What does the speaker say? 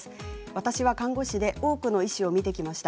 私は看護師で多くの医師を見てきました。